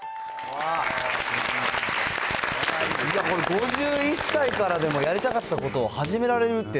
５１歳からでもやりたかったことを始められるって、